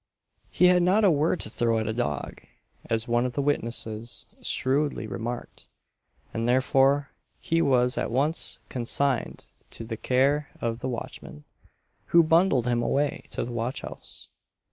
He had not "a word to throw at a dog," as one of the witnesses shrewdly remarked; and therefore he was at once consigned to the care of the watchman, who bundled him away to the watch house.